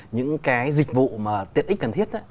những cái dịch vụ tiện ích cần thiết